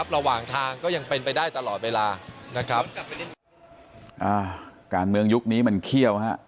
ระหว่างทางก็ยังไปได้ตลอดระหว่างการเมิงยุคนี้มันเคี่ยว